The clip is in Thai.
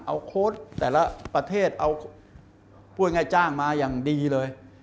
เอาโค้ดแต่ละประเทศเอาพูดง่ายจ้างมาอย่างดีเลย